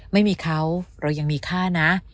ไม่มีเขาเรายังมีค่านะ